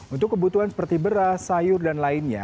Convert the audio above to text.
untuk kebutuhan seperti beras sayur dan lainnya